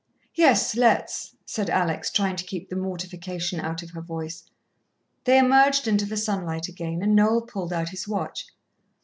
"Yes, let's," said Alex, trying to keep the mortification out of her voice. They emerged into the sunlight again, and Noel pulled out his watch.